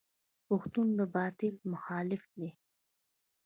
پښتون د باطل مخالف دی.